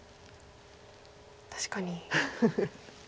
確かに。